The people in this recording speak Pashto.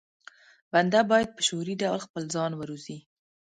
بنده بايد په شعوري ډول خپل ځان وروزي.